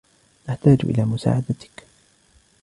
نحتاج إلى مساعدتك.